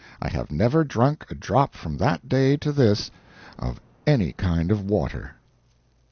I have never drunk a drop from that day to this of any kind of water.